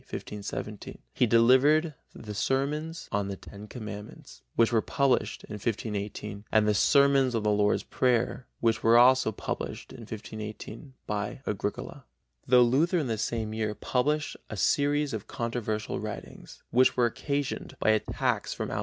1517) he delivered the Sermons on the Ten Commandments, which were published in 1518 and the Sermons on the Lord's Prayer, which were also published in 1518 by Agricola. Though Luther in the same year published a series of controversial writings, which were occasioned by attacks from outside sources, viz.